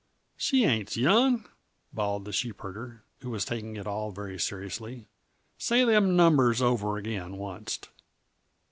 "She ain't s' young!" bawled the sheepherder, who was taking it all very seriously. "Say them numbers over again, onc't.